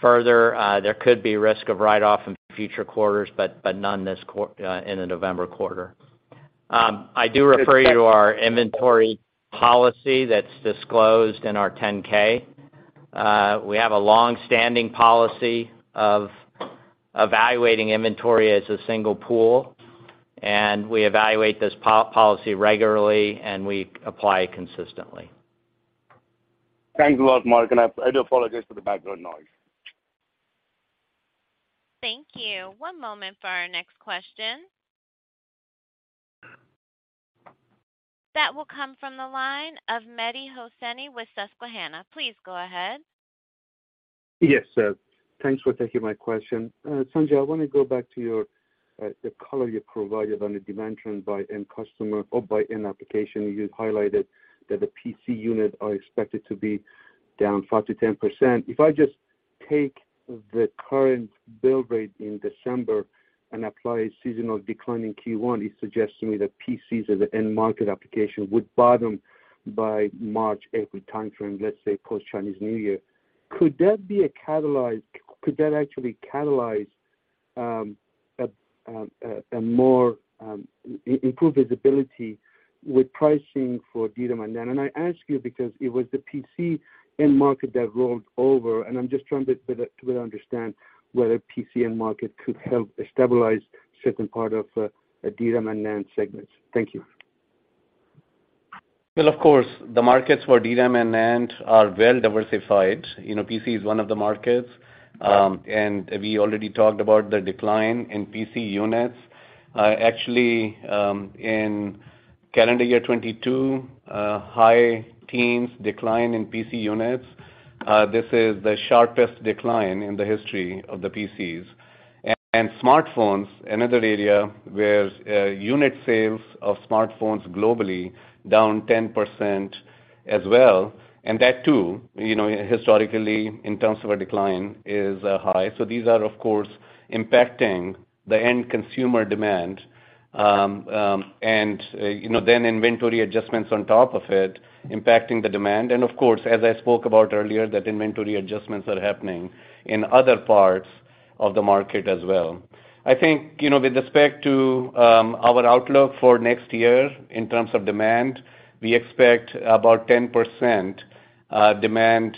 Speaker 4: further, there could be risk of write-off in future quarters, but none in the November quarter. I do refer you to our inventory policy that's disclosed in our Form 10-K. We have a long-standing policy of evaluating inventory as a single pool, and we evaluate this policy regularly, and we apply it consistently.
Speaker 9: Thanks a lot, Mark. I do apologize for the background noise.
Speaker 1: Thank you. One moment for our next question. That will come from the line of Mehdi Hosseini with Susquehanna. Please go ahead.
Speaker 10: Thanks for taking my question. Sanjay, I wanna go back to your the color you provided on the demand trend by end customer or by end application. You highlighted that the PC unit are expected to be down 5%-10%. If I just take the current build rate in December and apply a seasonal decline in Q1, it suggests to me that PCs as an end market application would bottom by March, April time frame, let's say post-Chinese New Year. Could that actually catalyze a more improve visibility with pricing for DRAM and NAND? I ask you because it was the PC end market that rolled over, and I'm just trying to better understand whether PC end market could help stabilize certain part of the DRAM and NAND segments. Thank you.
Speaker 3: Well, of course, the markets for DRAM and NAND are well diversified. You know, PC is one of the markets. We already talked about the decline in PC units. Actually, in calendar year 2022, high teens decline in PC units. This is the sharpest decline in the history of the PCs. Smartphones, another area where unit sales of smartphones globally down 10% as well. That too, you know, historically, in terms of a decline, is high. These are, of course, impacting the end consumer demand. You know, then inventory adjustments on top of it impacting the demand. Of course, as I spoke about earlier, that inventory adjustments are happening in other parts of the market as well. I think, you know, with respect to our outlook for next year in terms of demand, we expect about 10% demand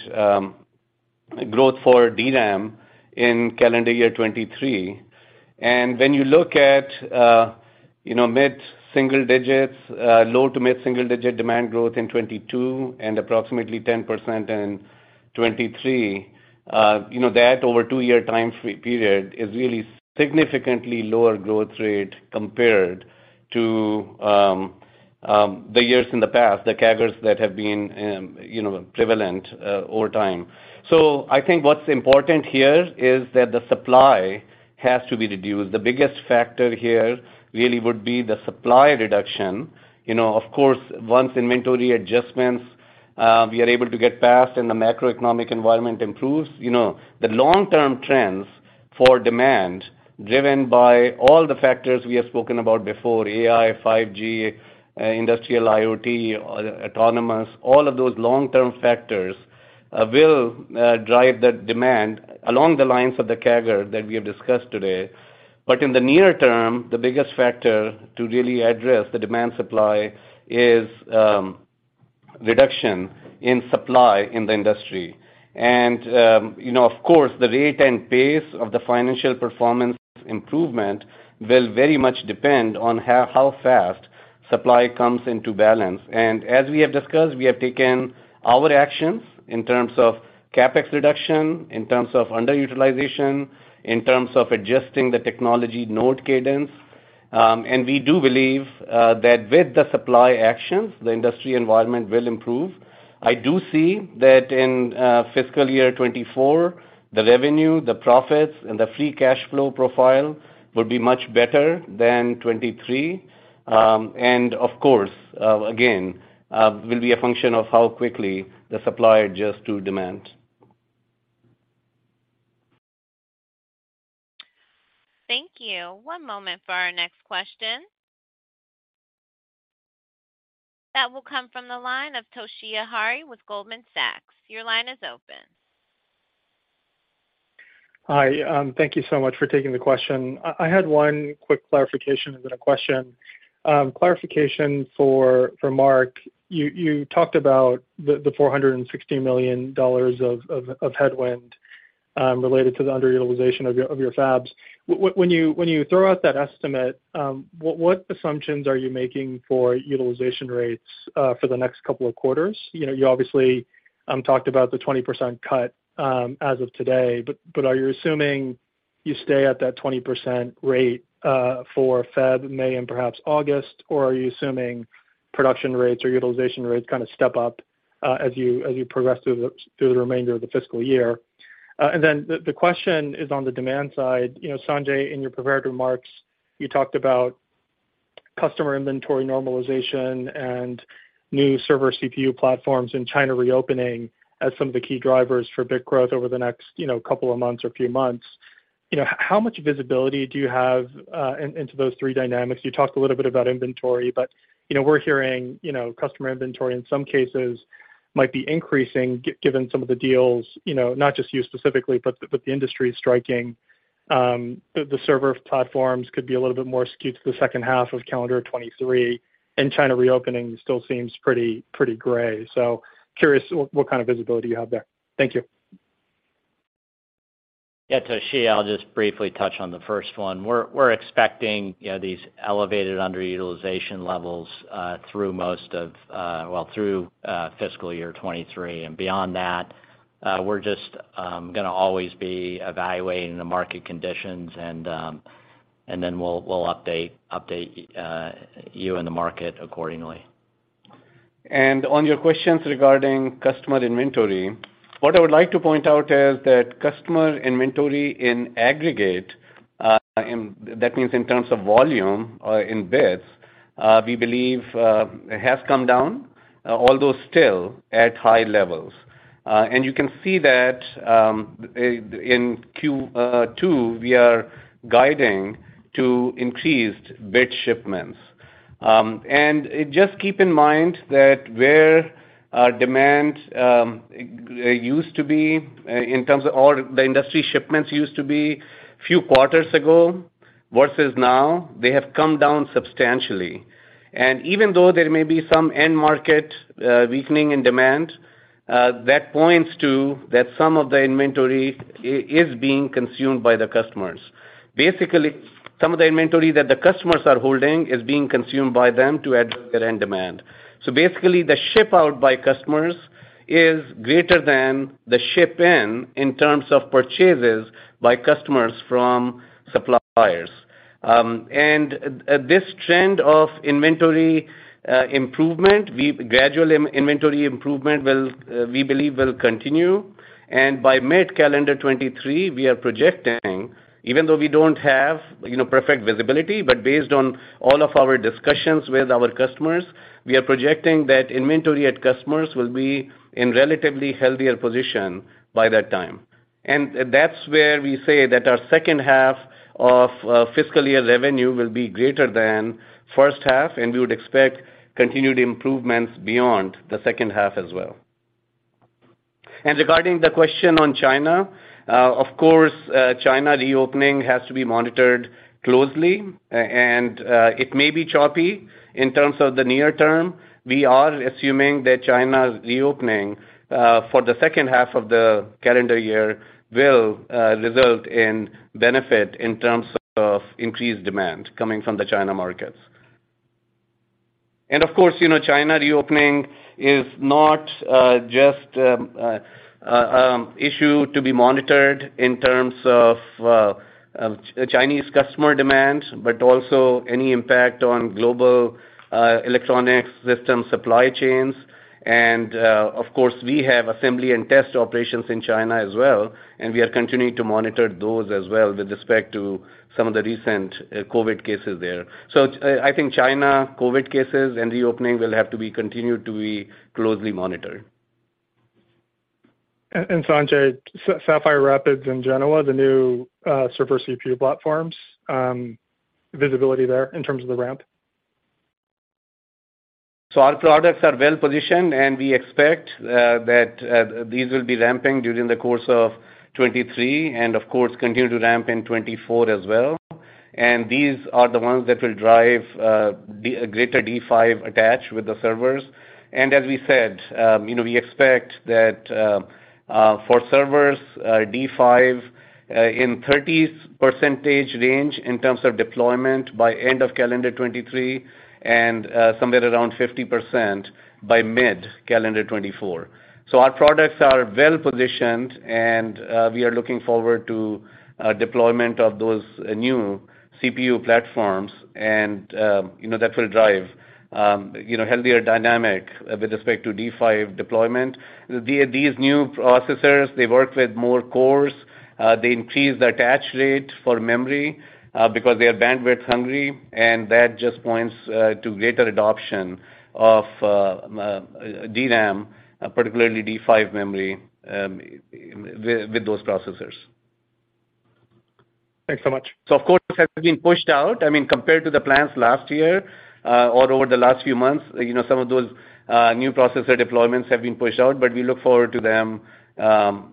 Speaker 3: growth for DRAM in calendar year 2023. When you look at, you know, mid-single digits, low to mid-single digit demand growth in 2022 and approximately 10% in 2023, you know, that over a two-year time free period is really significantly lower growth rate compared to the years in the past, the CAGRs that have been, you know, prevalent over time. I think what's important here is that the supply has to be reduced. The biggest factor here really would be the supply reduction. You know, of course, once inventory adjustments, we are able to get past and the macroeconomic environment improves, you know, the long-term trends for demand, driven by all the factors we have spoken about before, AI, 5G, industrial IoT, autonomous, all of those long-term factors, will drive the demand along the lines of the CAGR that we have discussed today. In the near term, the biggest factor to really address the demand supply is reduction in supply in the industry. You know, of course, the rate and pace of the financial performance improvement will very much depend on how fast supply comes into balance. As we have discussed, we have taken our actions in terms of CapEx reduction, in terms of underutilization, in terms of adjusting the technology node cadence. We do believe that with the supply actions, the industry environment will improve. I do see that in fiscal year 2024, the revenue, the profits, and the free cash flow profile will be much better than 2023. Of course, again, will be a function of how quickly the supply adjusts to demand.
Speaker 1: Thank you. One moment for our next question. That will come from the line of Toshiya Hari with Goldman Sachs. Your line is open.
Speaker 11: Hi. Thank you so much for taking the question. I had one quick clarification and then a question. Clarification for Mark. You talked about the $460 million of headwind related to the underutilization of your fabs. When you throw out that estimate, what assumptions are you making for utilization rates for the next couple of quarters? You know, you obviously talked about the 20% cut as of today, but are you assuming you stay at that 20% rate for Feb, May, and perhaps August? Are you assuming production rates or utilization rates kinda step up as you progress through the remainder of the fiscal year? The question is on the demand side. You know, Sanjay, in your prepared remarks, you talked about customer inventory normalization and new server CPU platforms and China reopening as some of the key drivers for bit growth over the next, you know, couple of months or few months. You know, how much visibility do you have into those three dynamics? You talked a little bit about inventory, but, you know, we're hearing, you know, customer inventory in some cases might be increasing given some of the deals, you know, not just you specifically, but the industry is striking. The server platforms could be a little bit more skewed to the second half of calendar 2023, and China reopening still seems pretty gray. Curious what kind of visibility you have there. Thank you.
Speaker 4: Yeah, Toshi, I'll just briefly touch on the first one. We're expecting, you know, these elevated underutilization levels, well, through fiscal year 2023. Beyond that, we're just gonna always be evaluating the market conditions, and then we'll update you and the market accordingly. On your questions regarding customer inventory, what I would like to point out is that customer inventory in aggregate, that means in terms of volume, in bits, we believe has come down. Although still at high levels. You can see that in Q2, we are guiding to increased bit shipments. Just keep in mind that where our demand used to be in terms of all the industry shipments used to be a few quarters ago versus now, they have come down substantially. Even though there may be some end market weakening in demand, that points to that some of the inventory is being consumed by the customers. Basically, some of the inventory that the customers are holding is being consumed by them to address their end demand. Basically, the ship out by customers is greater than the ship in terms of purchases by customers from suppliers. This trend of inventory improvement, we believe will continue. By mid-calendar 2023, we are projecting, even though we don't have, you know, perfect visibility, but based on all of our discussions with our customers, we are projecting that inventory at customers will be in relatively healthier position by that time. That's where we say that our second half of fiscal year revenue will be greater than first half, and we would expect continued improvements beyond the second half as well. Regarding the question on China, of course, China reopening has to be monitored closely, and it may be choppy in terms of the near term. We are assuming that China's reopening for the second half of the calendar year will result in benefit in terms of increased demand coming from the China markets. Of course, you know, China reopening is not just issue to be monitored in terms of Chinese customer demand, but also any impact on global electronics system supply chains. Of course, we have assembly and test operations in China as well, and we are continuing to monitor those as well with respect to some of the recent COVID cases there. I think China COVID cases and reopening will have to be continued to be closely monitored.
Speaker 11: Sanjay, Sapphire Rapids and Genoa, the new server CPU platforms, visibility there in terms of the ramp?
Speaker 3: Our products are well-positioned, and we expect that these will be ramping during the course of 2023 and of course, continue to ramp in 2024 as well. These are the ones that will drive the greater D5 attach with the servers. As we said, you know, we expect that for servers, D5, in 30% range in terms of deployment by end of calendar 2023 and somewhere around 50% by mid-calendar 2024. Our products are well-positioned, and we are looking forward to a deployment of those new CPU platforms. You know, that will drive, you know, healthier dynamic with respect to D5 deployment. These new processors, they work with more cores, they increase the attach rate for memory, because they are bandwidth hungry, and that just points to greater adoption of DRAM, particularly D5 memory, with those processors.
Speaker 11: Thanks so much.
Speaker 3: Of course, have been pushed out. Compared to the plans last year, or over the last few months, you know, some of those, new processor deployments have been pushed out, but we look forward to them,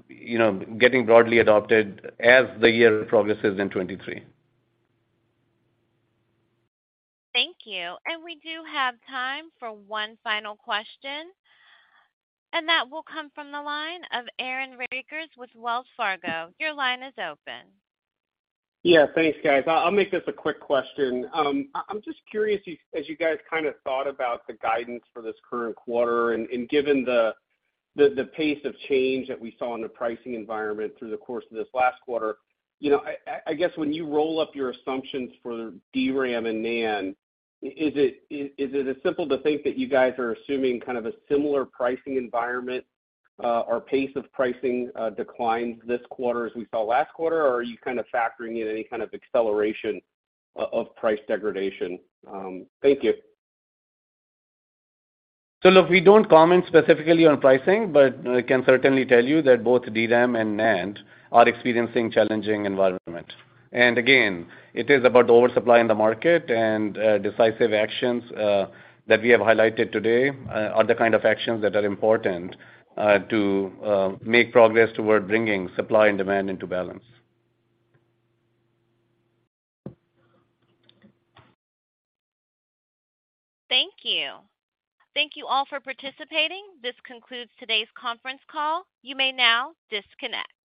Speaker 3: you know, getting broadly adopted as the year progresses in 2023.
Speaker 1: Thank you. We do have time for one final question. That will come from the line of Aaron Rakers with Wells Fargo. Your line is open.
Speaker 12: Thanks, guys. I'll make this a quick question. I'm just curious, as you guys kind of thought about the guidance for this current quarter and given the pace of change that we saw in the pricing environment through the course of this last quarter, you know, I guess when you roll up your assumptions for DRAM and NAND, is it as simple to think that you guys are assuming kind of a similar pricing environment, or pace of pricing declines this quarter as we saw last quarter? Or are you kind of factoring in any kind of acceleration of price degradation? Thank you.
Speaker 3: Look, we don't comment specifically on pricing, but I can certainly tell you that both DRAM and NAND are experiencing challenging environment. Again, it is about the oversupply in the market and decisive actions that we have highlighted today are the kind of actions that are important to make progress toward bringing supply and demand into balance.
Speaker 1: Thank you. Thank you all for participating. This concludes today's conference call. You may now disconnect.